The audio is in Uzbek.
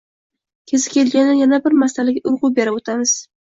Kezi kelganda, yana bir masalaga urg‘u berib o‘tamiz.